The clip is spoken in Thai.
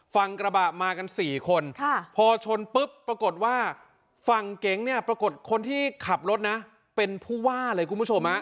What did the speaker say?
ฟังกระบะมากันสี่คนพอชนปุ๊บปรากฏว่าฟังเก๋งนี่ปรากฏคนที่ขับรถเป็นผู้ว่าเลย